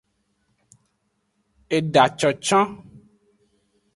Eda concon.